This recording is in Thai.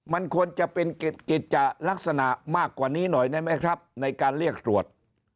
มันควรจะเป็นกิจจะลักษณะมากกว่านี้หน่อยได้ไหมครับในการเรียกตรวจ